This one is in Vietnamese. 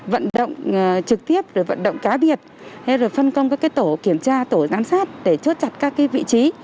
vận động trực tiếp vận động cá biệt phân công các tổ kiểm tra tổ giám sát để chốt chặt các vị trí